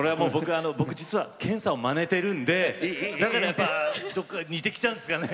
僕、実は剣さんをまねてるんでやっぱ、似てきちゃうんですかね。